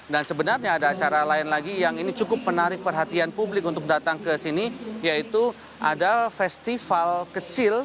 dan sebenarnya ada acara lain lagi yang ini cukup menarik perhatian publik untuk datang ke sini yaitu ada festival kecil